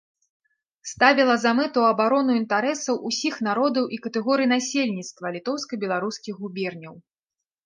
Ставіла за мэту абарону інтарэсаў усіх народаў і катэгорый насельніцтва літоўска-беларускіх губерняў.